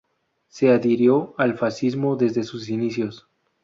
Se adhirió al fascismo desde sus inicios.